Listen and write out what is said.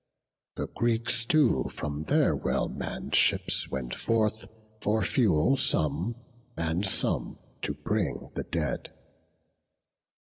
The Greeks too from their well mann'd ships went forth, For fuel some, and some to bring the dead.